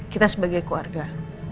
kita sebagai keluarga